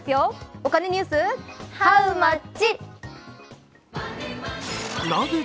お金ニュース、ハウマッチ。